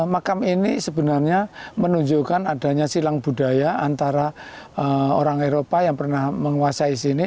makam ini sebenarnya menunjukkan adanya silang budaya antara orang eropa yang pernah menguasai sini